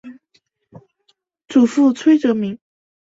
祖父崔则明。